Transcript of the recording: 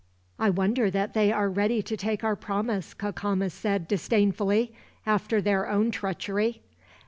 "I wonder that they are ready to take our promise," Cacama said disdainfully, "after their own treachery.